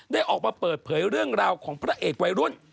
ออกมาเปิดเผยเรื่องราวของพระเอกวัยรุ่น